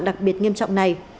đặc biệt nghiêm trọng này